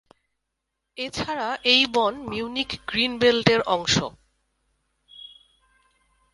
এছাড়া এই বন মিউনিখ গ্রিন বেল্টের অংশ।